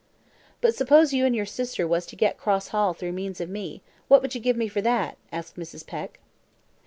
"But suppose you and your sister was to get Cross Hall through means of me, what would you give me for that?" asked Mrs. Peck.